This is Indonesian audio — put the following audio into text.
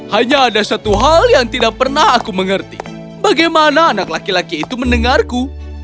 hanya ada satu hal yang tidak pernah aku mengerti bagaimana anak laki laki itu mendengarku